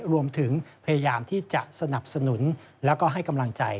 รวมถึงพยายามที่จะสนับสนุนแล้วก็ให้กำลังใจ